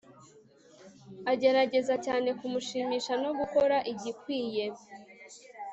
agerageza cyane kumushimisha no gukora igikwiye